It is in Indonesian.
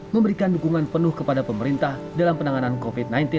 memberikan dukungan penuh kepada pemerintah dalam penanganan covid sembilan belas